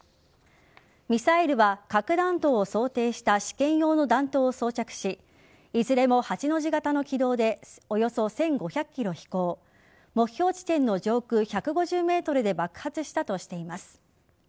ミサイルは核弾頭を想定した試験用の弾頭を装着しいずれも８の字形の軌道でおよそ１５００キロ飛行し目標地点の上空１５０メートルで爆発したとしています。